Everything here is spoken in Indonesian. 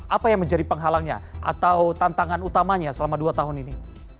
apa yang menjadi penghalangnya atau tantangan utamanya selama dua tahun ini